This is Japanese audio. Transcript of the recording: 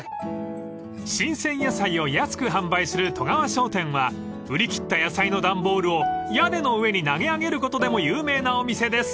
［新鮮野菜を安く販売する外川商店は売り切った野菜の段ボールを屋根の上に投げ上げることでも有名なお店です］